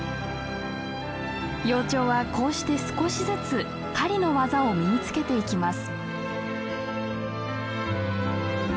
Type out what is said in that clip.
幼鳥はこうして少しずつ狩りの技を身につけていきます。